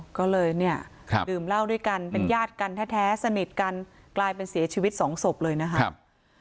ก็เลยเนี่ยดื่มเหล้าด้วยกันเป็นญาติกันแท้สนิทกันกลายเป็นเสียชีวิตสองศพเลยนะครับ